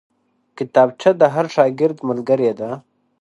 کتابچه د هر شاګرد ملګرې ده